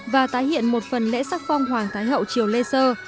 và tái hiện một phần lễ sắc phong hoàng thái hậu chiều lê sơ